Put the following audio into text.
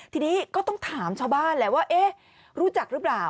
ทีนี้ก็ต้องถามชาวบ้านแหละว่าเอ๊ะรู้จักหรือเปล่า